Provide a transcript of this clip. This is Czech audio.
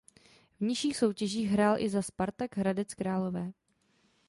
V nižších soutěžích hrál i za a Spartak Hradec Králové.